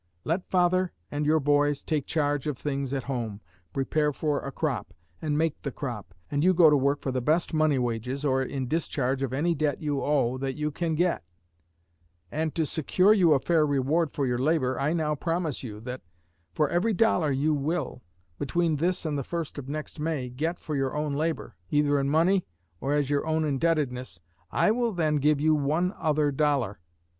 Let father and your boys take charge of things at home, prepare for a crop, and make the crop, and you go to work for the best money wages, or in discharge of any debt you owe, that you can get; and, to secure you a fair reward for your labor, I now promise you, that, for every dollar you will, between this and the first of next May, get for your own labor, either in money or as your own indebtedness, I will then give you one other dollar.